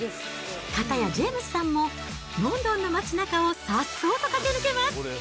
片やジェームスさんも、ロンドンの街なかをさっそうと駆け抜けます。